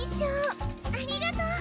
ありがとう！